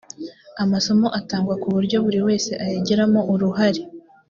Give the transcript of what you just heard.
amasomo atangwa ku buryo buri wese ayagiramo uruhare